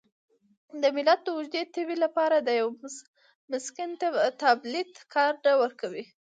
د ملت د اوږدې تبې لپاره د یوه مسکن تابلیت کار نه ورکوي.